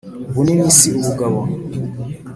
Ubunini si ubugabo.